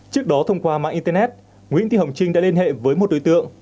trước đó thông qua mạng internet nguyễn thị hồng trinh đã liên hệ với một đối tượng